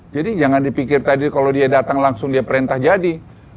jadi jangan dipikir tadi kalau dia datang langsung dia perintah jadi